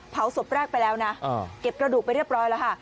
เผาศพแรกไปแล้วนะเก็บกระดูกไปเรียบร้อยแล้วค่ะ